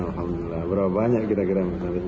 alhamdulillah berapa banyak kira kira